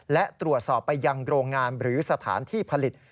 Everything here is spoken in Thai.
และตรวจสอบไปยังโรงงานหรือสถานที่ผลิต